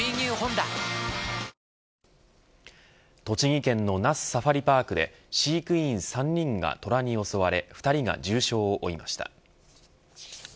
栃木県の那須サファリパークで飼育員３人がトラに襲われ２人が重傷を負いました。